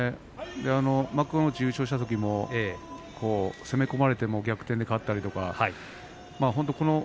幕内優勝したときも攻め込まれても逆転で勝ったりとか。